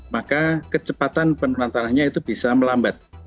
maka kecepatan penurunan tanahnya itu bisa melambat